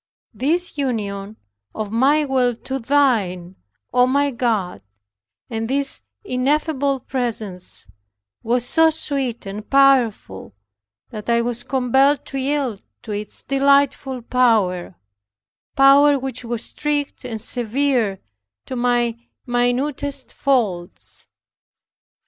This union of my will to Thine, O my God, and this ineffable presence was so sweet and powerful, that I was compelled to yield to its delightful power, power which was strict and severe to my minutest faults.